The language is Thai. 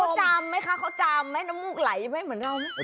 เขาจามไหมคะเขาจามไหมน้ำมูกไหลไม่เหมือนเราไหม